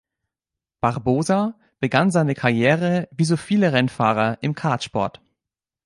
Barbosa begann seine Karriere, wie so viele Rennfahrer im Kartsport.